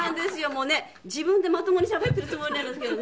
もうね自分でまともにしゃべっているつもりなんですけどね